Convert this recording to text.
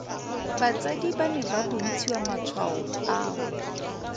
Batsadi ba ne ba bontshiwa matshwao ao.